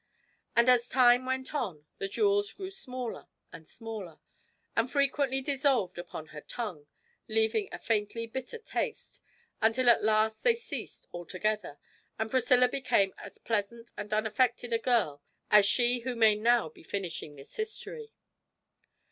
And as time went on the jewels grew smaller and smaller, and frequently dissolved upon her tongue, leaving a faintly bitter taste, until at last they ceased altogether and Priscilla became as pleasant and unaffected a girl as she who may now be finishing this history.